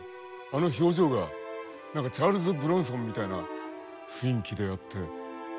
あの表情が何かチャールズ・ブロンソンみたいな雰囲気であって。